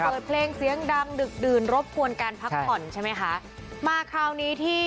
เปิดเพลงเสียงดังดึกดื่นรบกวนการพักผ่อนใช่ไหมคะมาคราวนี้ที่